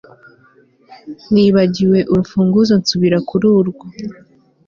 nibagiwe urufunguzo nsubira kururwo